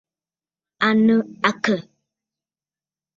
À nɨ̂ àkə̀?